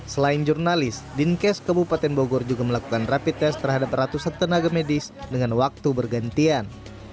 selain jurnalis dinkes kabupaten bogor juga melakukan rapid test terhadap ratusan tenaga medis dengan waktu bergantian